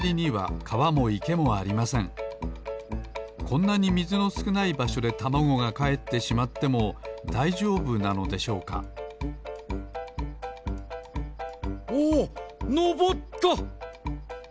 こんなにみずのすくないばしょでたまごがかえってしまってもだいじょうぶなのでしょうかおおのぼった！